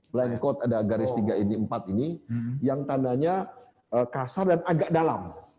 blind code ada garis tiga ini empat ini yang tandanya kasar dan agak dalam